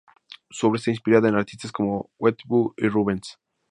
Su obra está inspirada en artistas como Watteau y Rubens.